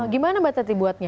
gimana mbak tati buatnya